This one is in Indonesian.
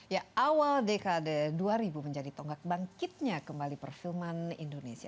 ya awal dekade dua ribu menjadi tonggak bangkitnya kembali perfilman indonesia